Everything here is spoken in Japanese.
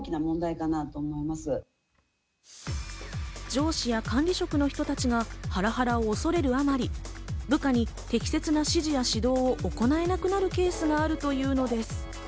上司や管理職の人たちがハラハラを恐れるあまり、部下に適切な指示や指導を行えなくなるケースがあるというのです。